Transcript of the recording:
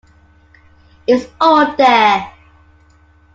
It's all there.